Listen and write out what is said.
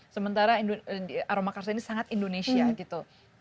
sementara aromakarsa ini sangat indonesia gitu